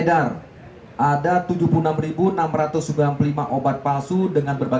petugas juga menangkap lima orang tersangka mereka memperjual belikan obat melalui toko daring maupun secara langsung dengan harga murah